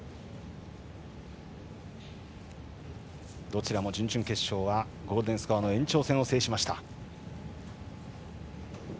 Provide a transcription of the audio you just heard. どちらも準々決勝はゴールデンスコアの延長戦を制しました。